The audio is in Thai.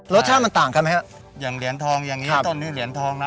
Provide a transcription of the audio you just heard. รสชาติมันต่างกันไหมครับอย่างเหรียญทองอย่างนี้ต้นนี้เหรียญทองนะ